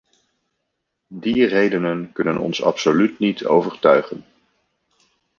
Die redenen kunnen ons absoluut niet overtuigen.